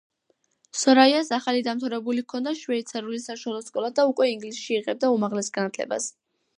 სორაიას ახალი დამთავრებული ჰქონდა შვეიცარიული საშუალო სკოლა და უკვე ინგლისში იღებდა უმაღლეს განათლებას.